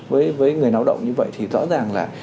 với người nạo động như vậy thì rõ ràng là